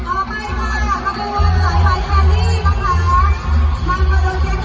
อันนี้นี้มันกลายเป็นครบต่อ